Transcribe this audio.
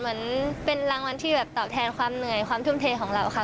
เหมือนเป็นรางวัลที่แบบตอบแทนความเหนื่อยความทุ่มเทของเราค่ะ